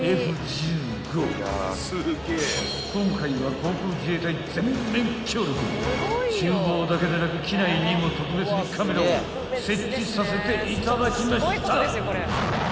［今回は航空自衛隊全面協力厨房だけでなく機内にも特別にカメラを設置させていただきました］